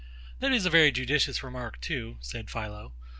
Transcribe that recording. That is a very judicious remark too, said PHILO.